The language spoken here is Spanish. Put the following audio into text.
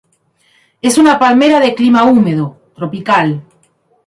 Es una palmera de clima húmedo, tropical.